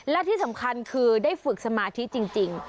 และที่สำคัญคือได้ฝึกสมาธิจริง